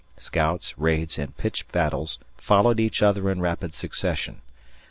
Scouts, raids, and pitched battles followed each other in rapid succession.